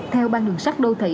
theo ban đường sắt đô thị